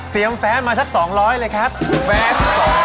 เตรียมแฟ้มมาสัก๒๐๐เลยครับแฟ้ม๒๐๐